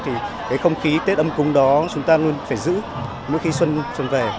thì cái không khí tết âm cúng đó chúng ta luôn phải giữ mỗi khi xuân xuân về